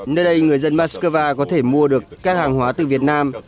nơi đây người dân moscow có thể mua được các hàng hóa từ việt nam